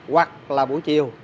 hoặc là buổi chiều